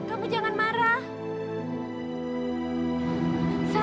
kamu jangan marah